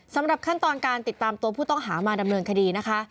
สำหรับขั้นตอนการติดตามตัวผู้ต้องหามาดำเนินคดีนะคะ